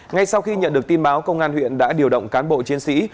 ngay sau khi nhận được tin báo công an huyện đã điều động cán bộ chiến sĩ